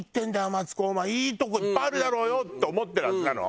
マツコお前いいとこいっぱいあるだろうよ」って思ってるはずなの。